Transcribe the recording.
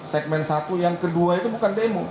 segmen satu yang kedua itu bukan demo